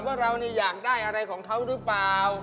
ว่าเราอยากได้อะไรของเขาหรือเปล่า